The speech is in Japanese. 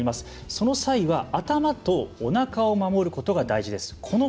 その際は頭とおなかを守ることが大事です。